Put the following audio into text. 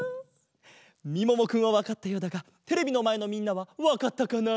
みももくんはわかったようだがテレビのまえのみんなはわかったかな？